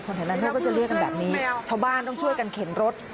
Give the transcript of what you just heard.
เพราะงั้นพวกมันก็จะเลี้ยงกันแบบนี้ชาวบ้านต้องช่วยกับเข็นรถ